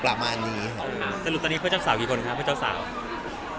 สรุปตอนนี้เพื่อนเจ้าสาวกี่คนครับ